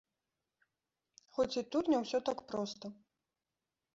Хоць і тут не ўсё так проста.